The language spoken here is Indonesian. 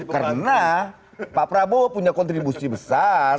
karena pak prabowo punya kontribusi besar